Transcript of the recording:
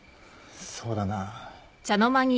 そうだな。